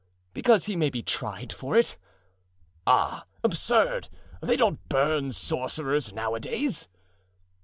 "Because he may be tried for it." "Ah! absurd! they don't burn sorcerers nowadays."